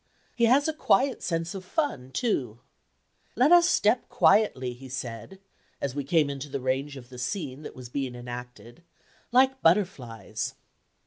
He has a quiet sense of fun, too. "Let us step quietly," he said as we came into the range of the scene that was being enacted "like butterflies."